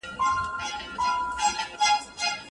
ډېر چاڼ د لوړ ږغ سره دلته راوړل کېده.